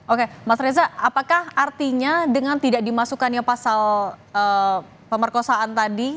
oke mas reza apakah artinya dengan tidak dimasukkannya pasal pemerkosaan tadi